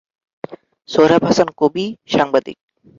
সোহরাব হাসান কবি, সাংবাদিক।